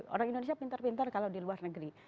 orang indonesia pintar pintar kalau di luar negeri